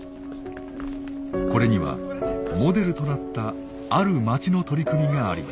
これにはモデルとなったある町の取り組みがあります。